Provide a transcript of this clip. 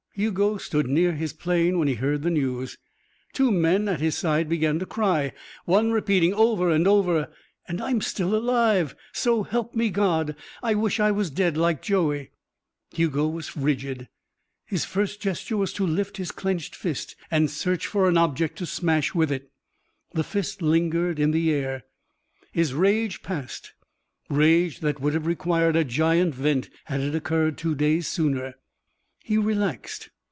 Hugo stood near his plane when he heard the news. Two men at his side began to cry, one repeating over and over: "And I'm still alive, so help me God. I wish I was dead, like Joey." Hugo was rigid. His first gesture was to lift his clenched fist and search for an object to smash with it. The fist lingered in the air. His rage passed rage that would have required a giant vent had it occurred two days sooner. He relaxed.